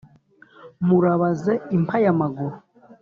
murabaze impayamaguru